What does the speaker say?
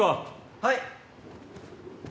はい。